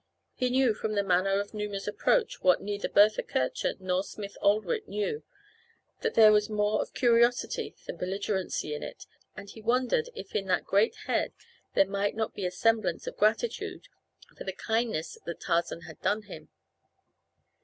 He knew from the manner of Numa's approach what neither Bertha Kircher nor Smith Oldwick knew that there was more of curiosity than belligerency in it, and he wondered if in that great head there might not be a semblance of gratitude for the kindness that Tarzan had done him.